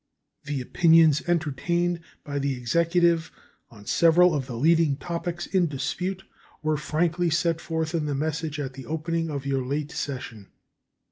The opinions entertained by the Executive on several of the leading topics in dispute were frankly set forth in the message at the opening of your late session.